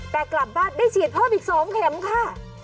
แต่กลับบ้านได้ฉีดเพิ่มอีก๒เข็มค่ะ